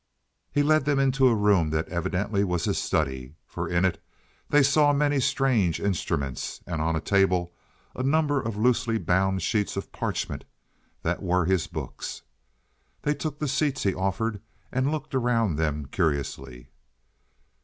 He led them into a room that evidently was his study, for in it they saw many strange instruments, and on a table a number of loosely bound sheets of parchment that were his books. They took the seats he offered and looked around them curiously.